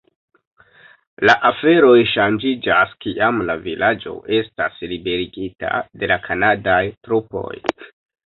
La aferoj ŝanĝiĝas kiam la vilaĝo estas liberigita de la kanadaj trupoj.